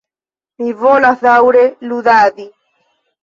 Mi volas daŭre ludadi.